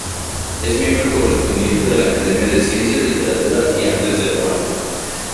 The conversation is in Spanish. Es miembro correspondiente de la Academia de Ciencias, Literatura y Artes de Ruan.